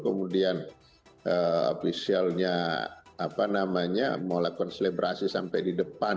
kemudian officialnya apa namanya mau lakukan selebrasi sampai di depan